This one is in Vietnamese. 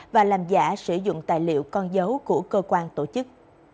và làm giả sử dụng tài liệu con dấu của cơ quan tổ chức